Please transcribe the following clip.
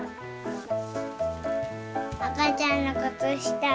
あかちゃんのくつした。